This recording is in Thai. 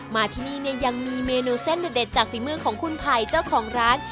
มาที่นี่เนี่ยยังมีเมนูเส้นเด็ดจากฝีมือของคุณไผ่เจ้าของร้าน